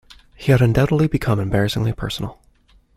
He had undoubtedly become embarrassingly personal.